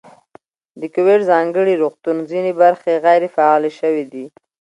د کوویډ ځانګړي روغتون ځینې برخې غیر فعالې شوې دي.